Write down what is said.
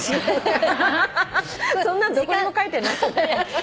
そんなんどこにも書いてない。